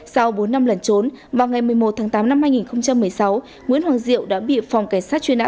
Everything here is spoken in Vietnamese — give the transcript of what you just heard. sau bốn năm lần trốn vào ngày một mươi một tháng tám năm hai nghìn một mươi sáu nguyễn hoàng diệu đã bị phòng cảnh sát truy nã